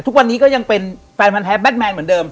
ทุกวันนี้ก็ยังเป็นแฟนพันแท้แทนเหมือนเดิม